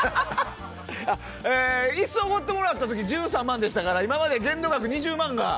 椅子を奢ってもらった時に１３万でしたから今まで限度額２０万が。